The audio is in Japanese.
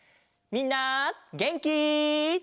みんなげんき？